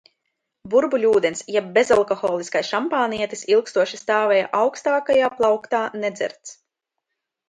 Burbuļūdens jeb bezalkoholiskais šampanietis ilgstoši stāvēja augstākajā plauktā nedzerts.